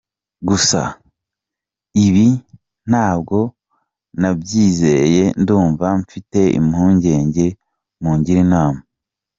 Gusa ibi ntabwo nabyizeye, ndumva mfite impungenge, mungire inama.